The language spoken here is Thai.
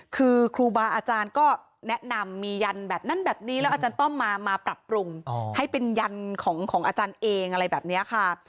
คือครูบาอาจารย์ก็แนะนำมียันแบบนั้นแบบนี้แล้วอาจารย์ต้อมมาปรับปรุงให้เป็นยันของอาจารย์เองอะไรแบบนี้ค่ะ